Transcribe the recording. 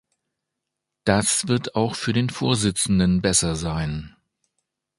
Das wird auch für den Vorsitzenden besser sein.